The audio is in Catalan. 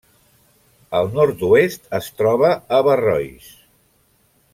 Al nord-oest es troba Averrois.